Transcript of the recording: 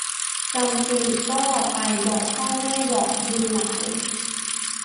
จำปีก็ไปบอกพ่อแม่ของบุญหลาย